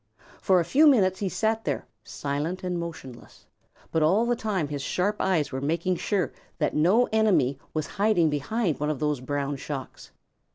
For a few minutes he sat there silent and motionless, but all the time his sharp eyes were making sure that no enemy was hiding behind one of those brown shocks.